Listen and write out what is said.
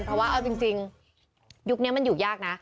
เพราะว่าเอาจริงยุคนี้มันอยู่ยากนะ